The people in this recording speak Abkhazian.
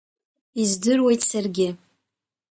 Издыруеит саргьы…